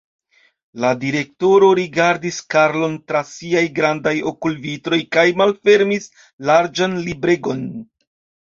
La direktoro rigardis Karlon tra siaj grandaj okulvitroj kaj malfermis larĝan libregon.